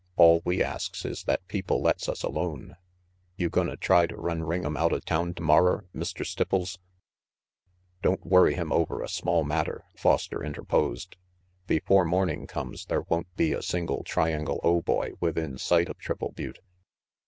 All we asks is that people lets us alone. You gonna try to run Ring'em outa town tomorrer, Mr. Stipples?" "Don't worry him over a small matter," Foster interposed. "Before morning comes there won't be a single Triangle O boy within sight of Triple Butte."